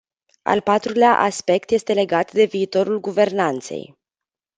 Al patrulea aspect este legat de viitorul guvernanței.